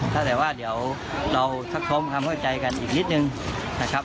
ถ้าแต่ว่าเดี๋ยวเราทักทมความห้อยใจกันอีกนิดหนึ่งนะครับ